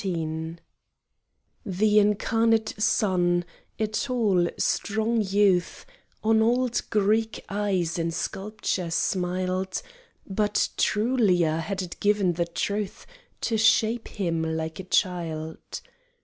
XVII The incarnate sun, a tall strong youth, On old Greek eyes in sculpture smiled: But trulier had it given the truth To shape him like a child.